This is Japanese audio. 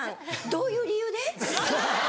どういう理由で？